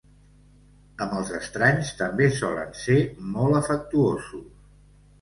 Amb els estranys també solen ser molt afectuosos.